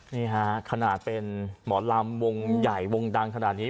นี่ฮะขนาดเป็นหมอลำวงใหญ่วงดังขนาดนี้